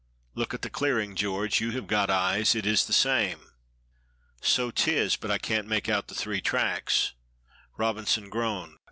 "Look at the clearing, George, you have got eyes. It is the same." "So 'tis, but I can't make out the three tracks." Robinson groaned.